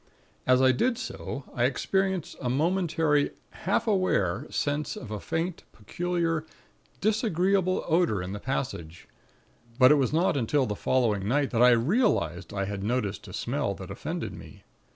As I did so, I experienced a momentary, half aware sense of a faint, peculiar, disagreeable odor in the passage; but it was not until the following night that I realized I had noticed a smell that offended me.